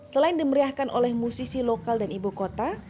selain di meriahkan oleh musisi lokal dan ibu kota